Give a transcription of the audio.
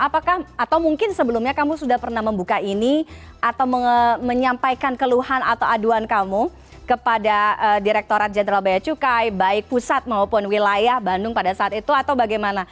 apakah atau mungkin sebelumnya kamu sudah pernah membuka ini atau menyampaikan keluhan atau aduan kamu kepada direkturat jenderal beacukai baik pusat maupun wilayah bandung pada saat itu atau bagaimana